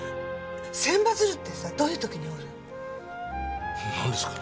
千羽鶴ってさどういう時に折る？なんですか？